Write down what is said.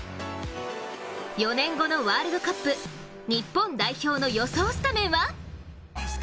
４年後のワールドカップ、日本代表の予想スタメンは？